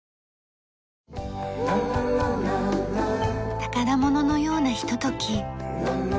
宝物のようなひととき。